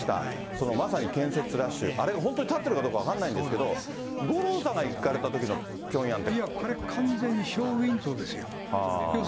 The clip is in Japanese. そのまさに建設ラッシュ、あれが本当に建ってるかどうか分かんないんですけど、五郎さんがいや、これ完全にショーウインドーですよ。